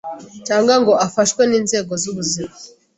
cyangwa ngo afashwe n’inzego z’ubuzima.”